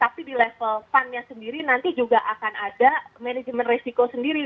tapi di level fund nya sendiri nanti juga akan ada manajemen resiko sendiri